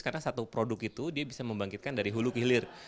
karena satu produk itu dia bisa membangkitkan dari hulu kehilir